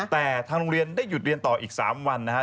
แต่ทางโรงเรียนได้หยุดเรียนต่ออีก๓วันนะครับ